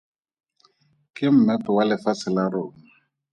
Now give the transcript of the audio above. Ke mmepe wa lefatshe la rona.